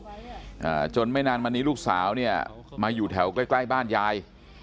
อ่าจนไม่นานมานี้ลูกสาวเนี่ยมาอยู่แถวใกล้ใกล้บ้านยาย